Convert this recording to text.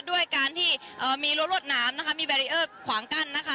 ด้วยการที่เอ่อมีรวดรวดน้ำนะคะมีแบรีเออร์ขวางกั้นนะคะ